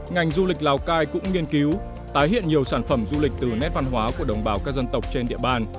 ngành du lịch lào cai cũng nghiên cứu tái hiện nhiều sản phẩm du lịch từ nét văn hóa của đồng bào các dân tộc trên địa bàn